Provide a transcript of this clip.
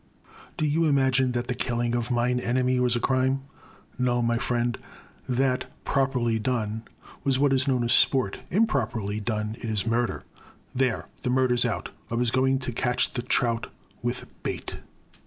Do you imagine that the killing of Mine Enemy was a crime? No, my friend — that, properly done, was what is known as sport; improperly done, it is murder; — ^there, the murder 's out ! I was going to catch the trout with bait